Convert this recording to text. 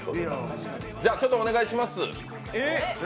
じゃあ、ちょっとお願いします。